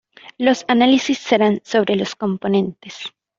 Los análisis serán sobre los componentes.